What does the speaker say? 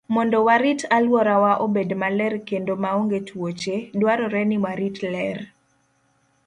Mondo warit alworawa obed maler kendo maonge tuoche, dwarore ni warit ler.